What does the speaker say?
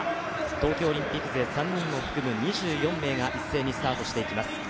東京オリンピック勢３人を含む２４名が一斉にスタートしていきます。